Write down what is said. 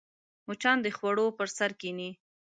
مچان د خوړو پر سر کښېني